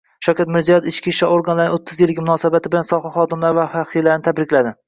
Shavkat Mirziyoyev ichki ishlar organlariningo´ttizyilligi munosabati bilan soha xodimlari va faxriylarini tabrikladi